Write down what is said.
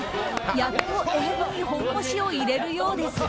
やっと英語に本腰を入れるようです。